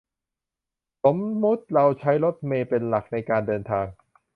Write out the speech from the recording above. สมมติเราใช้รถเมล์เป็นหลักในการเดินทาง